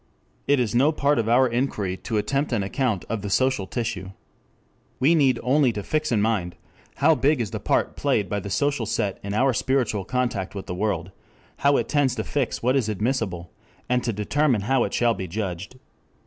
4 It is no part of our inquiry to attempt an account of the social tissue. We need only fix in mind how big is the part played by the social set in our spiritual contact with the world, how it tends to fix what is admissible, and to determine how it shall be judged.